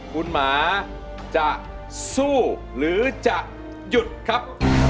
คุณหมาจะสู้หรือจะหยุดครับ